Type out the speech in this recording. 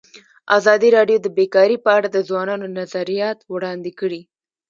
ازادي راډیو د بیکاري په اړه د ځوانانو نظریات وړاندې کړي.